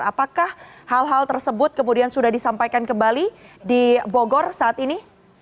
apakah hal hal tersebut kemudian sudah disampaikan kembali di bogor saat ini